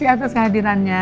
terima kasih atas hadirannya